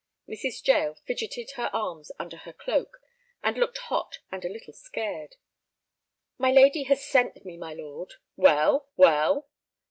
Mrs. Jael fidgeted her arms under her cloak, and looked hot and a little scared. "My lady has sent me, my lord—" "Well, well?"